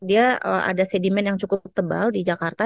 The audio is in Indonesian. dia ada sedimen yang cukup tebal di jakarta